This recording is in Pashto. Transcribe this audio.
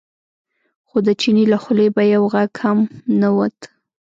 خو د چیني له خولې به یو غږ هم نه ووت.